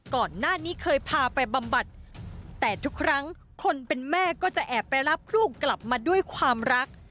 ก่อนหน้านี้เคยพาไปบำบัดแต่ทุกครั้งคนเป็นแม่ก็จะแอบไปรับลูกกลับมาด้วยความรัก